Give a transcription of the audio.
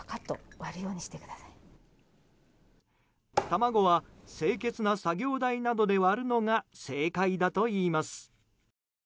卵は清潔な作業台などで割るのが正解だといいます。